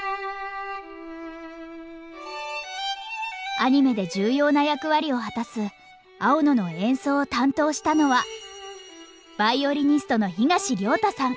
アニメで重要な役割を果たす青野の演奏を担当したのはヴァイオリニストの東亮汰さん。